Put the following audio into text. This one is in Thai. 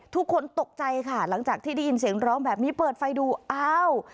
ทุกคนตกใจค่ะหลังจากที่ได้ยินเสียงร้องแบบนี้เปิดไฟดูอ้าว